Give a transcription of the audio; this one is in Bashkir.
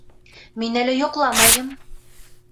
Мин әле йоҡламайым